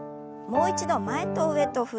もう一度前と上に。